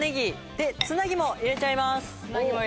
でつなぎも入れちゃいます。